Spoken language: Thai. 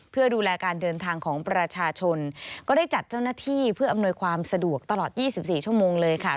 เพื่อดูแลการเดินทางของประชาชนก็ได้จัดเจ้าหน้าที่เพื่ออำนวยความสะดวกตลอด๒๔ชั่วโมงเลยค่ะ